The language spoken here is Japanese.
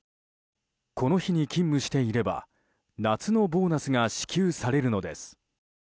この日に勤務していれば夏のボーナスが支給されるのです。